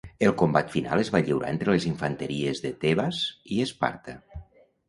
El combat final es va lliurar entre les infanteries de Tebas i Esparta.